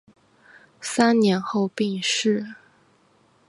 三年后病逝。